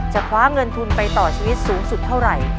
คว้าเงินทุนไปต่อชีวิตสูงสุดเท่าไหร่